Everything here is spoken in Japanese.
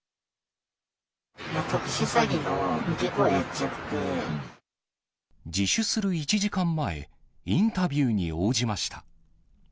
特殊詐欺の受け子をやっちゃ自首する１時間前、インタビューに応じました。